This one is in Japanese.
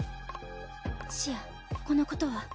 シアこのことは。